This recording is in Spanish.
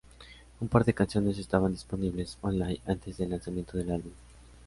Un par de canciones estaban disponibles online antes de el lanzamiento del álbum.